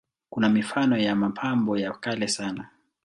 Kuna mifano ya mapambo ya kale sana.